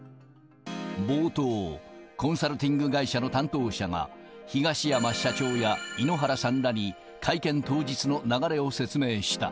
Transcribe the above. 冒頭、コンサルティング会社の担当者が、東山社長や井ノ原さんらに、会見当日の流れを説明した。